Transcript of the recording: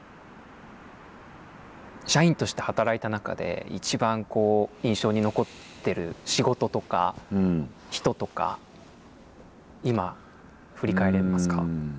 社員として働いた中で一番印象に残ってる仕事とか人とか今振り返れますか？